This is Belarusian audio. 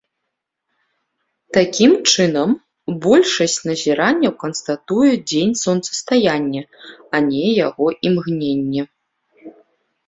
Такім чынам, большасць назіранняў канстатуе дзень сонцастаяння, а не яго імгненне.